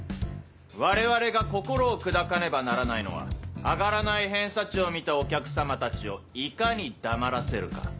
我々が心を砕かねばならないのは上がらない偏差値を見たお客様たちをいかに黙らせるか。